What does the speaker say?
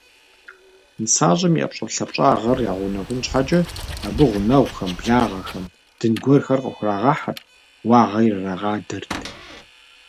НысащӀэм и ӀэпщӀэлъапщӀагъэр ягъэунэхун щхьэкӀэ абы гъунэгъухэм, благъэхэм дын гуэрхэр къыхурагъэхьырт, уагъэ ирырагъадэрт.